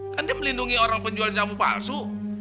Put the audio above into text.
kan dia melindungi orang penjual jamu palsu